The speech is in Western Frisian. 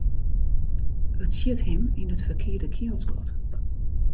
It sjit him yn it ferkearde kielsgat.